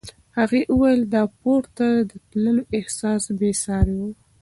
هغې وویل د پورته تللو احساس بې ساری و.